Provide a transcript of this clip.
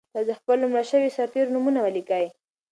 تاسو د خپلو مړو شویو سرتېرو نومونه ولیکئ.